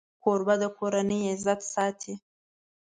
کوربه د کورنۍ عزت ساتي.